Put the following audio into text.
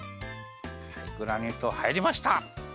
グラニュー糖はいりました。